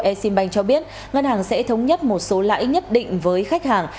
e simbank cho biết ngân hàng sẽ thống nhất một số lãi nhất định với khách hàng